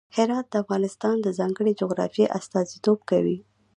هرات د افغانستان د ځانګړي جغرافیه استازیتوب کوي.